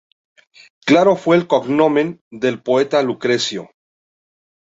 Caro fue el "cognomen" del poeta Lucrecio.